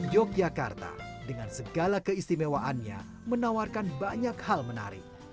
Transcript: yogyakarta dengan segala keistimewaannya menawarkan banyak hal menarik